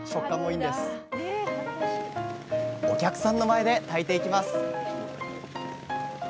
お客さんの前で炊いていきます